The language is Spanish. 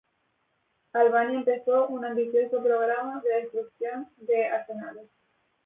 Albania empezó un ambicioso programa de destrucción de arsenales.